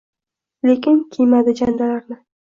Lek kiymadi jandalarni